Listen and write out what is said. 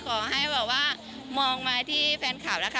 ขอให้แบบว่ามองมาที่แฟนคลับนะคะ